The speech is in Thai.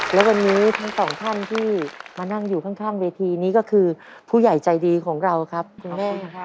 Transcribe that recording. และวันนี้ทั้งสองท่านที่มานั่งอยู่ข้างเวทีนี้ก็คือผู้ใหญ่ใจดีของเราครับคุณแม่